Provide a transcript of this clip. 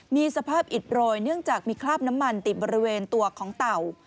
มีสภาพอิดโรยเนื่องจากมีคราบน้ำมันติดบริเวณตัวของเต่า